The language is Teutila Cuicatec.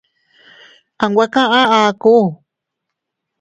Anwe kaʼa akuu.